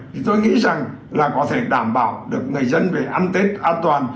thì tôi nghĩ rằng là có thể đảm bảo được người dân về ăn tết an toàn